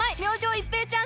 一平ちゃーん！